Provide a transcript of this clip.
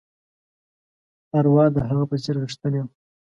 ارواح د هغه په څېر غښتلې وه.